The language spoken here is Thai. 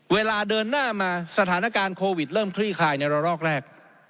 เวลาเดินหน้ามาสถานการณ์โควิดเริ่มคลี่คลายในระลอกแรก